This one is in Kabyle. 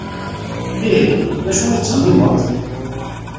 Ihi, d acu i tettxemmimeḍ?